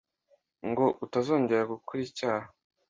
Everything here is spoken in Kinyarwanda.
ngo utazongera gukora icyaha